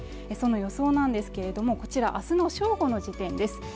その予想なんですけれどもこちらあすの正午の時点です